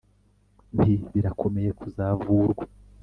nti : birakomeye kuzavurwa